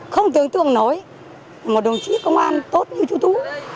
không tưởng tượng nổi một đồng chí công an tốt như chú tú